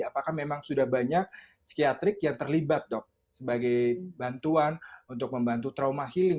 apakah memang sudah banyak psikiatrik yang terlibat dok sebagai bantuan untuk membantu trauma healing